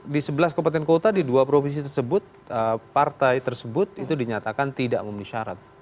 di sebelas kabupaten kota di dua provinsi tersebut partai tersebut itu dinyatakan tidak memenuhi syarat